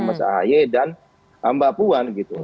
mas ahaye dan mbak puan gitu